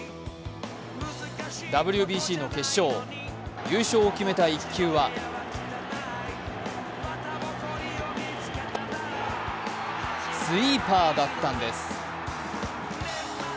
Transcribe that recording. ＷＢＣの決勝優勝を決めた１球はスイーパーだったんです。